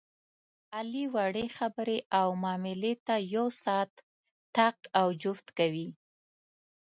علي وړې خبرې او معاملې ته یو ساعت طاق او جفت کوي.